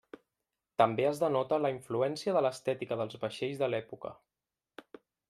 També es denota la influència de l'estètica dels vaixells de l'època.